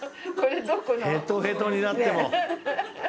ヘトヘトになっても。